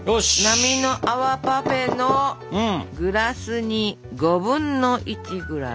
なみのあわパフェのグラスに５分の１ぐらい。